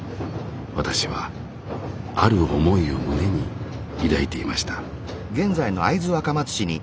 私はある思いを胸に抱いていました。